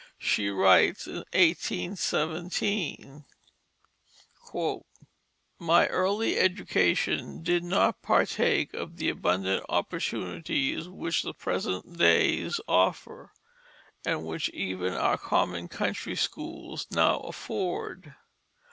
She writes in 1817: "My early education did not partake of the abundant opportunities which the present days offer, and which even our common country schools now afford.